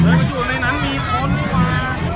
ตอนนี้ก็ไม่มีเวลาให้กลับมาเท่าไหร่